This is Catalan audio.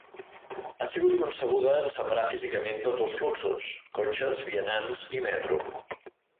Ha sigut concebuda en separar físicament tots els fluxos: cotxes, vianants i metro.